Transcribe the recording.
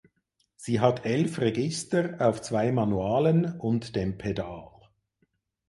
Sie hat elf Register auf zwei Manualen und dem Pedal.